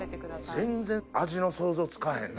全然味の想像つかへんね